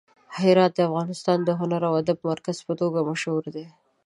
هرات د افغانستان د هنر او ادب د مرکز په توګه مشهور دی.